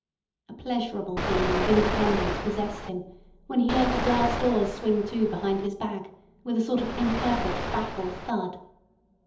A pleasurable feeling of independence possessed him when he heard the glass doors swing to behind his back with a sort of imperfect baffled thud.